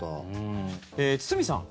堤さん